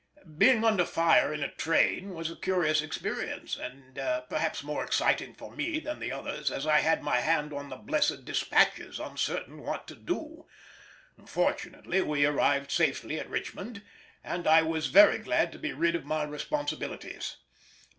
Being under fire in a train was a curious experience, and perhaps more exciting for me than the others, as I had my hand on the blessed despatches, uncertain what to do. Fortunately we arrived safely at Richmond, and I was very glad to be rid of my responsibilities.